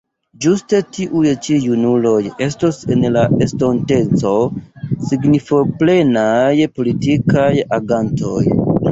Ĝuste tiuj ĉi junuloj estos en la estonteco signifoplenaj politikaj agantoj.